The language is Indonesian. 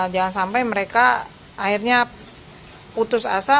jangan sampai mereka akhirnya putus asa